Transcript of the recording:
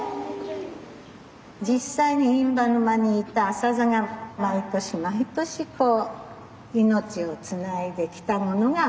実際に印旛沼にいたアサザが毎年毎年こう命をつないできたものが今あるんです。